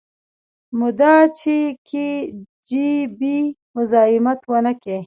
مدا چې کي جي بي مزايمت ونکي.